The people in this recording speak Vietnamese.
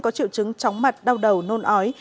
có triệu chứng chóng mặt đau đầu nôn ói